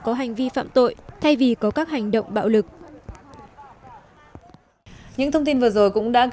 có hành vi phạm tội thay vì có các hành động bạo lực